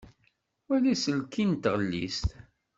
Wali aselkin n tɣellist.